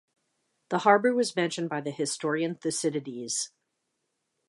The harbour was mentioned by the historian Thucydides.